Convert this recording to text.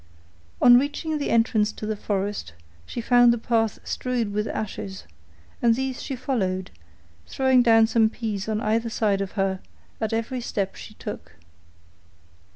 On reaching the entrance to the forest she found the path strewed with ashes, and these she followed, throwing down some peas on either side of her at every step she took.